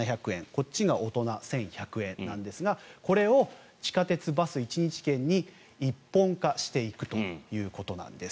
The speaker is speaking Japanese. こっちが大人１１００円なんですがこれを地下鉄・バス１日券に一本化していくということなんです。